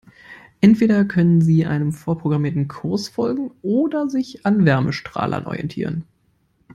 Entweder können sie einem vorprogrammierten Kurs folgen oder sich an Wärmestrahlern orientieren.